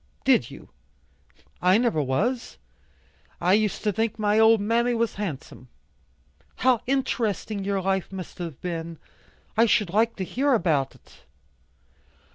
"Did you? I never was. I used to think my old mammy was handsome." "How interesting your life must have been! I should like to hear about it."